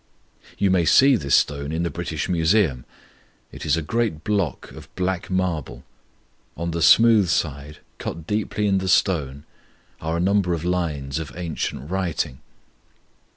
You may see this stone in the British Museum. It is a great block of black marble. On the smooth side, cut deeply in the stone, are a number of lines of ancient writing.